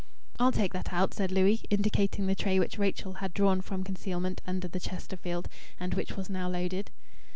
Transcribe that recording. "I'll take that out," said Louis, indicating the tray which Rachel had drawn from concealment under the Chesterfield, and which was now loaded.